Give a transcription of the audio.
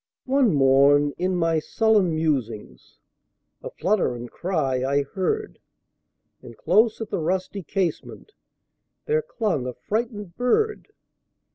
One morn, in my sullen musings,A flutter and cry I heard; And close at the rusty casementThere clung a frightened bird.